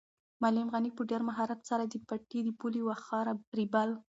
معلم غني په ډېر مهارت سره د پټي د پولې واښه رېبل.